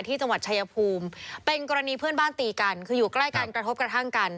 ที่จังหวัดชายภูมิเป็นกรณีเพื่อนบ้านตีกันคืออยู่ใกล้กันกระทบกระทั่งกัน